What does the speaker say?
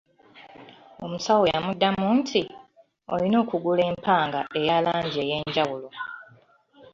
Omusawo yamudamu nti, oyina okugula empanga eya langi ey'enjawulo.